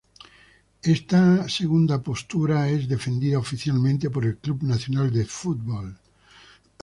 Esta segundo postura es defendida oficialmente por el Club Nacional de Football.